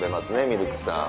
ミルクさん。